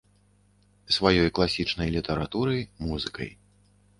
Сваёй класічнай літаратурай, музыкай.